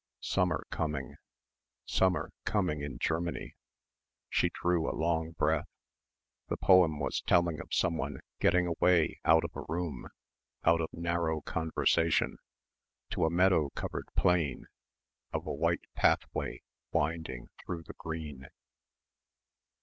Summer coming. Summer coming in Germany. She drew a long breath. The poem was telling of someone getting away out of a room, out of "narrow conversation" to a meadow covered plain of a white pathway winding through the green.